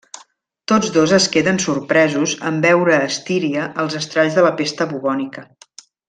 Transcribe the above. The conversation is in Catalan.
Tots dos es queden sorpresos en veure a Estíria els estralls de la pesta bubònica.